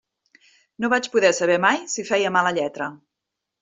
No vaig poder saber mai si feia mala lletra.